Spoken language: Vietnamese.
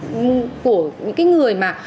của những người